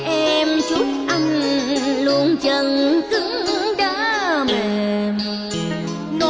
em chúc anh luôn chẳng cứng đỡ